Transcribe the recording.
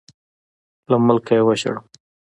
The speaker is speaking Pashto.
له ملکه یې وشړم.